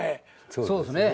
そうですね。